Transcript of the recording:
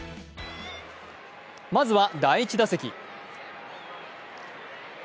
まずは第１打席。